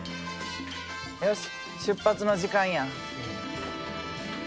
よし出発の時間や。